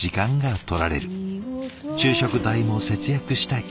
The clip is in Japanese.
昼食代も節約したい。